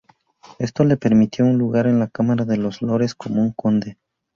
Esto le permitió un lugar en la Cámara de los Lores como un Conde.